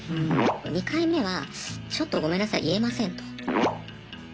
２回目はちょっとごめんなさい言えませんと。